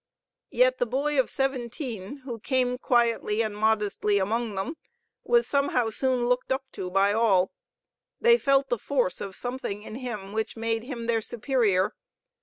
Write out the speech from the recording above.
Yet the boy of seventeen, who came quietly and modestly amongst them, was somehow soon looked up to by all. They felt the force of something in him which made him their superior.